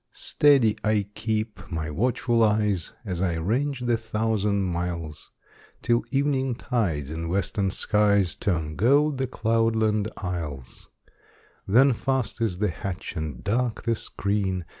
Steady I keep my watchful eyes, As I range the thousand miles. Till evening tides in western skies Turn gold the cloudland isles; Then fast is the hatch and dark the screen.